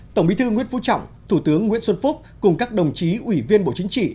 tổng bí thư nguyễn phú trọng thủ tướng nguyễn xuân phúc cùng các đồng chí ủy viên bộ chính trị